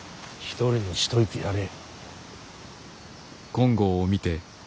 一人にしといてやれ。